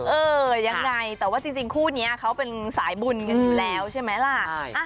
เออยังไงแต่ว่าจริงคู่นี้เขาเป็นสายบุญกันอยู่แล้วใช่ไหมล่ะ